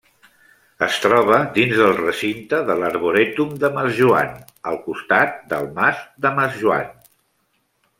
Es troba dins del recinte de l'Arborètum de Masjoan, al costat del mas de Masjoan.